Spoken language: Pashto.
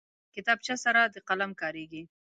کتابچه سره د قلم کارېږي